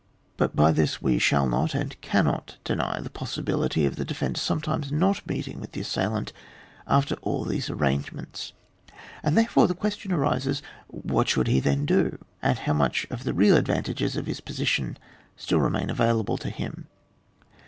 But by this we shall not and cannot deny the possibility of the defender some times not meeting with the assailant after all these arrangements, and therefore the question arises, what he should then do, and how much of the real advantages of his position still remain available to him.